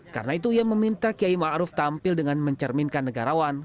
karena itu ia meminta kiai ma'ruf tampil dengan mencerminkan negarawan